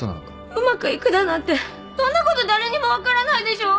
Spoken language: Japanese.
うまくいくだなんてそんなこと誰にも分からないでしょう？